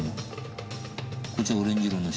こっちはオレンジ色のシミだ。